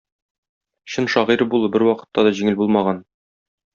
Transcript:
Чын шагыйрь булу бервакытта да җиңел булмаган.